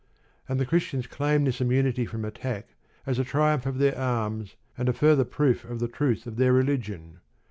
And the Christians claim this immunity from attack as a triumph of their arms, and a further proof of the truth of their religion.